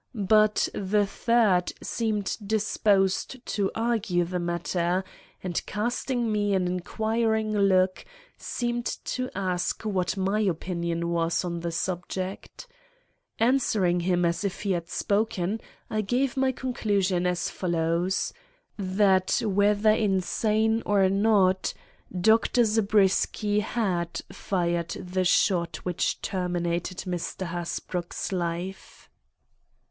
But the third seemed disposed to argue the matter, and, casting me an inquiring look, seemed to ask what my opinion was on the subject. Answering him as if he had spoken, I gave my conclusion as follows: That whether insane or not, Dr. Zabriskie had fired the shot which terminated Mr. Hasbrouck's life.